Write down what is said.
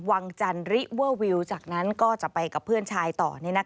วังจันริเวอร์วิวจากนั้นก็จะไปกับเพื่อนชายต่อ